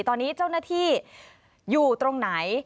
ตอนนี้เจ้าหน้าที่อยู่ตรงไหน